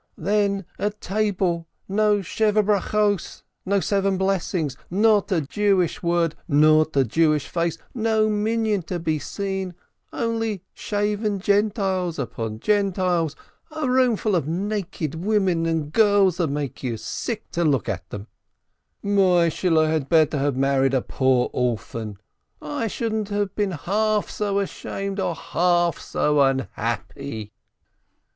Then at table: no Seven Blessings, not a Jewish word, not a Jewish face, no Minyan to be seen, only shaven Gentiles upon Gentiles, a roomful of naked women and girls that make you sick to look at them. 104 SPEKTOR Moishehle had better have married a poor orphan, I shouldn't have heen half so ashamed or half so un happy."